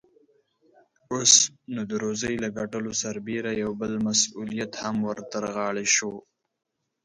اوس، نو د روزۍ له ګټلو سربېره يو بل مسئوليت هم ور ترغاړې شو.